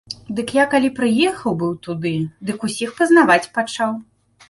Дык я калі прыехаў быў туды, дык усіх пазнаваць пачаў.